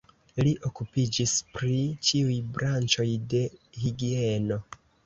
Li okupiĝis pri ĉiuj branĉoj de higieno.